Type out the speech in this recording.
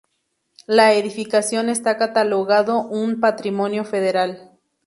La edificación está catalogado un Patrimonio Federal.